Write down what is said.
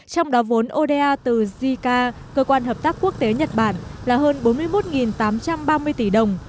trong đó vốn oda từ jica cơ quan hợp tác quốc tế nhật bản là hơn bốn mươi một tám trăm ba mươi tỷ đồng